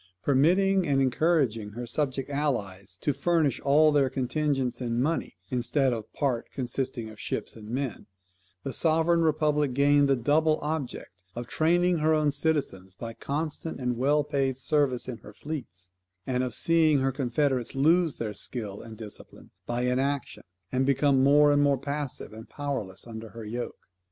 Permitting and encouraging her subject allies to furnish all their contingents in money, instead of part consisting of ships and men, the sovereign republic gained the double object of training her own citizens by constant and well paid service in her fleets, and of seeing her confederates lose their skill and discipline by inaction, and become more and more passive and powerless under her yoke.